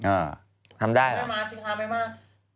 อ่าทำได้หรอ